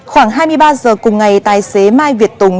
khoảng hai mươi ba h cùng ngày tài xế mai việt tùng